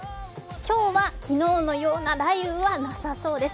今日は昨日のような雷雨はなさそうです。